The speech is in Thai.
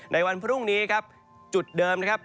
ในวันพรุ่งนี้ครับจุดเดิมนะครับ